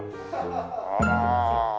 あら。